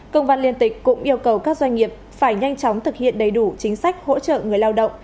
công văn liên tịch cũng yêu cầu các doanh nghiệp phải nhanh chóng thực hiện đầy đủ chính sách hỗ trợ người lao động